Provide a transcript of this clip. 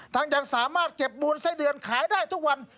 ยังสามารถเก็บมูลไส้เดือนขายได้ทุกวัน